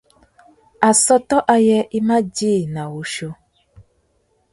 Assôtô ayê i mà djï nà wuchiô.